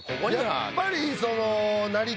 やっぱりその。